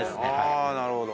ああなるほど。